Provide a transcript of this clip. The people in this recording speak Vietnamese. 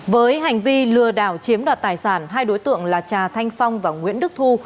với hành vi lừa đảo chiếm đoạt tài sản hai đối tượng là trà thanh phong và nguyễn đức thu